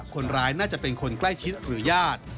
คนร้ายน่าจะเป็นคนใกล้ชิดหรือญาติ